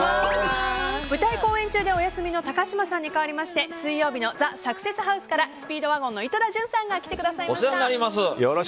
舞台公演中でお休みの高嶋さんに代わりまして水曜日のＴＨＥサクセスハウスからスピードワゴンの井戸田潤さんが来てくださいました。